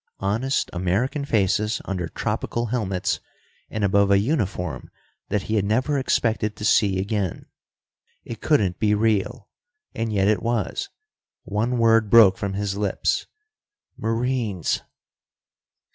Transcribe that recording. Honest American faces under tropical helmets and above a uniform that he had never expected to see again. It couldn't be real. And yet it was. One word broke from his lips: "Marines!"